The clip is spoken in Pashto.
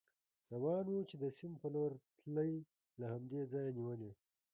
روان و، چې د سیند په لور تلی، له همدې ځایه نېولې.